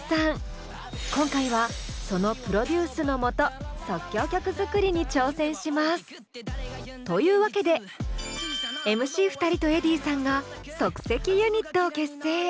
今回はそのプロデュースのもと即興曲作りに挑戦します！というわけでＭＣ２人とｅｄｈｉｉｉさんが即席ユニットを結成！